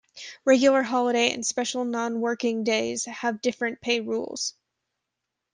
Regular holiday and special non-working day have different pay rules.